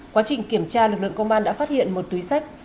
quá trình kiểm tra lực lượng công an đã phát hiện một túi sách